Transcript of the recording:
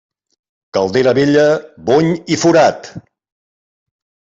Caldera vella, bony i forat.